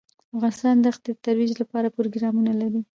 افغانستان د ښتې د ترویج لپاره پروګرامونه لري.